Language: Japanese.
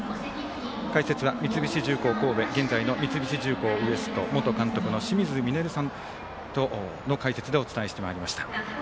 解説は三菱重工神戸現在の三菱重工Ｗｅｓｔ元監督の清水稔さんの解説でお伝えしてまいりました。